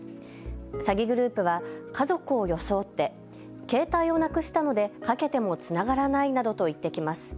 詐欺グループは家族を装って携帯をなくしたので、かけてもつながらないなどと言ってきます。